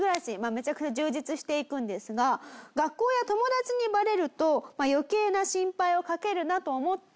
めちゃくちゃ充実していくんですが学校や友達にバレると余計な心配をかけるなと思って。